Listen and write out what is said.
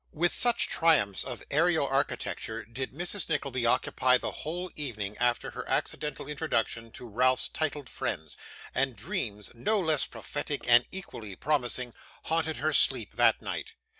With such triumphs of aerial architecture did Mrs. Nickleby occupy the whole evening after her accidental introduction to Ralph's titled friends; and dreams, no less prophetic and equally promising, haunted her sleep that night.